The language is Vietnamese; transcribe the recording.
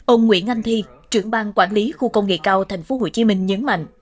ông nguyễn anh thi trưởng bang quản lý khu công nghệ cao tp hcm nhấn mạnh